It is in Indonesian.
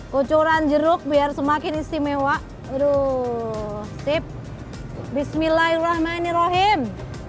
kucuran jeruk biar semakin istimewa aduh sip bismillahirrahmanirrahim